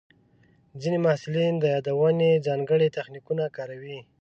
ځینې محصلین د یادونې ځانګړي تخنیکونه کاروي.